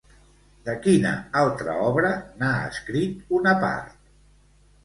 De quina altra obra n'ha escrit una part?